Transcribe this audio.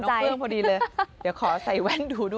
ต้องการถามน้องพรั่งพอดีเลยเดี๋ยวขอใส่แว่งดูด้วย